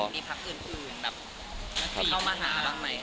มีพักอื่นแบบเข้ามาหาบ้างไหม